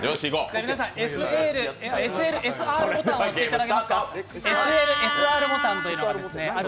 ＳＬ、ＳＲボタンを押していただけますか？